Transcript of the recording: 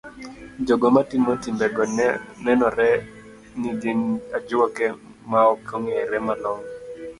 Jogo matimo timbego nenore ni gin ajuoke maok ong'ere malong'o.